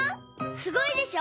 すごいでしょ！